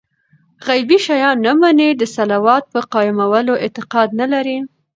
غيبي شيان نه مني، د صلوة په قائمولو اعتقاد نه لري